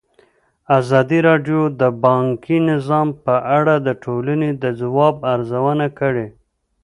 ازادي راډیو د بانکي نظام په اړه د ټولنې د ځواب ارزونه کړې.